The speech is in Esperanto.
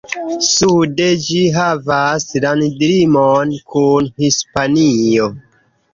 Sude ĝi havas landlimon kun Hispanio.